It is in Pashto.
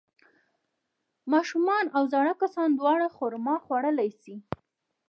ماشومان او زاړه کسان دواړه خرما خوړلی شي.